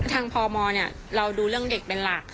ทางพมเราดูเรื่องเด็กเป็นหลัก